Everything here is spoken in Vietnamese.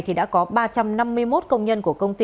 thì đã có ba trăm năm mươi một công nhân của công ty